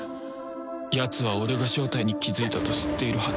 やつは俺が正体に気づいたと知っているはず